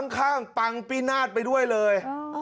ข้างปังปีนาศไปด้วยเลย